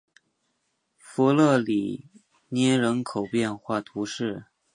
弗勒里涅人口变化图示